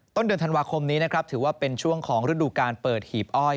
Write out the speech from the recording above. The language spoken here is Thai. ต้นเดือนธันวาคมนี้นะครับถือว่าเป็นช่วงของฤดูการเปิดหีบอ้อย